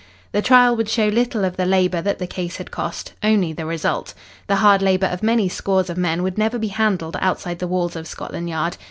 The trial would show little of the labour that the case had cost only the result. The hard labour of many scores of men would never be handled outside the walls of Scotland Yard.